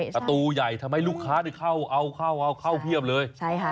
ประตูใหญ่ทำไมลูกค้าจะเดี๋ยวเข้าเข้าเพียบเลย